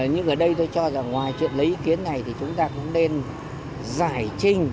nhưng ở đây tôi cho rằng ngoài chuyện lấy ý kiến này thì chúng ta cũng nên giải trình